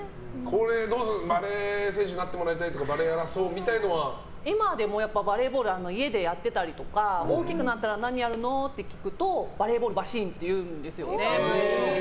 バレー選手になってもらいたいとか今でもバレーボールを家でやってたりとか大きくなったら何やるの？って聞くとバレーボール、バシンって言うんですよね。